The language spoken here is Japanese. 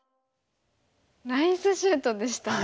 ナイスシュートでしたね。